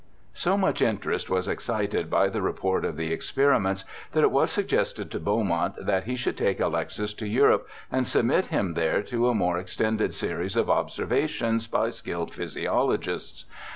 So much interest was excited by the report of the experiments that it was suggested to Beaumont that he should take Alexis to Europe and submit him there to a more extended series of observations by skilled physiologists.